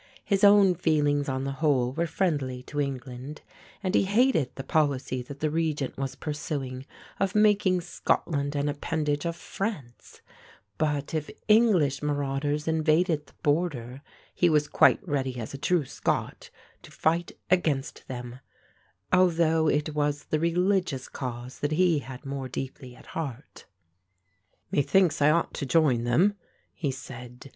His own feelings on the whole were friendly to England and he hated the policy that the regent was pursuing of making Scotland an appendage of France, but if English marauders invaded the border he was quite ready as a true Scot to fight against them, although it was the religious cause that he had more deeply at heart. "Methinks I ought to join them," he said.